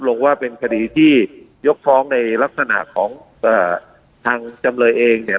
ลงว่าเป็นคดีที่ยกฟ้องในลักษณะของเอ่อทางจำเลยเองเนี่ย